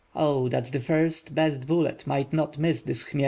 "Oh, that the first, best bullet might not miss this Khmel!"